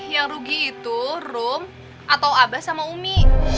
yang rugi itu rum atau abah sama umi